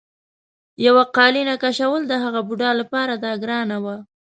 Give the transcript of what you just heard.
یوه قالینه کشوله د هغه بوډا لپاره دا ګرانه وه.